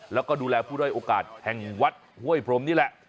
แล้วก็ดูแลผู้ด้อยโอกาสแห่งวัดห้วยพรมนี่แหละ